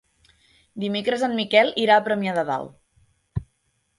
Dimecres en Miquel irà a Premià de Dalt.